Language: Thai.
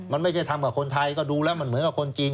มันไม่ใช่ทำกับคนไทยก็ดูแล้วมันเหมือนกับคนจีน